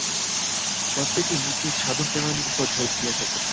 প্রত্যকেই নিজ নিজ সাধন-প্রণালীর উপর ঝোঁক দিয়া থাকেন।